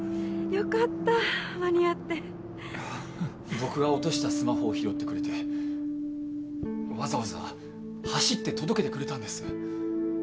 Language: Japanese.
僕が落としたスマホを拾ってくれてわざわざ走って届けてくれたんです。